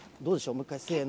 もう一回、せーの。